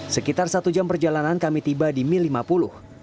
sekitar satu jam perjalanan kami tiba di mil lima puluh